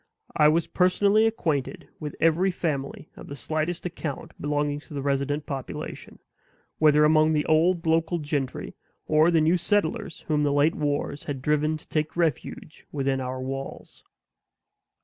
I was personally acquainted with every family of the slightest account belonging to the resident population; whether among the old local gentry, or the new settlers whom the late wars had driven to take refuge within our walls.